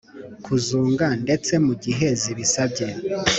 kuzunga ndetse mu gihe zibisabye